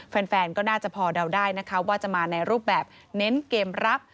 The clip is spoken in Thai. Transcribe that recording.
แฟนก็น่าจะพอเดาได้นะคะว่าจะมาในรูปแบบเน้นเกมรับ